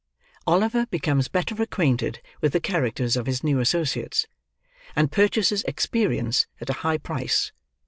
OLIVER BECOMES BETTER ACQUAINTED WITH THE CHARACTERS OF HIS NEW ASSOCIATES; AND PURCHASES EXPERIENCE AT A HIGH PRICE.